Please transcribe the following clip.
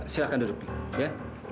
silahkan duduk ya